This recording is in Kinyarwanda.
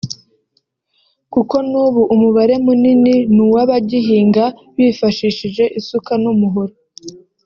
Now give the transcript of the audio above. kuko n’ubu umubare munini ni uw’abagihinga bifashishije isuka n’umuhoro